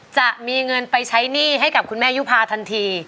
จะมีเงินไปใช้หนี้ให้กับคุณแม่ยุภาทันที